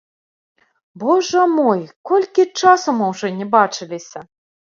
Божа мой, колькі часу мы ўжо не бачыліся!